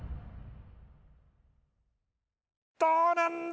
どうなんだ？